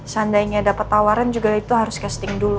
seandainya dapat tawaran juga itu harus casting dulu